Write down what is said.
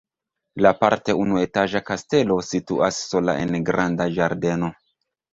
La parte unuetaĝa kastelo situas sola en granda ĝardeno.